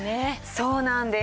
そうなんです。